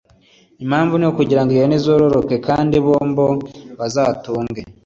Impamvu ni ukugirango iyo hene izororoke, kandi bombo bazatunge